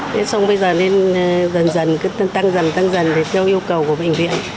thế xong bây giờ nên dần dần cứ tăng dần tăng dần thì theo yêu cầu của bệnh viện